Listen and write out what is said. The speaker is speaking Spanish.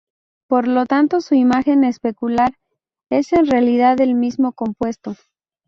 Por lo tanto, su imagen especular es en realidad el mismo compuesto.